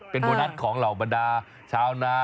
เป็นโบนัสของเหล่าบรรดาชาวนา